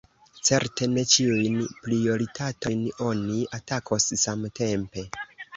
Certe ne ĉiujn prioritatojn oni atakos samtempe.